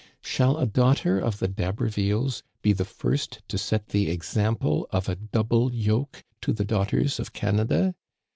Shall a daughter of the D*Habervilles be the first to set the example of a double yoke to the daughters of Canada